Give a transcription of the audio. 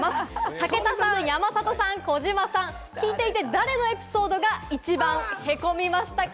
武田さん、山里さん、児嶋さん、聞いていて誰のエピソードが一番へこみましたか？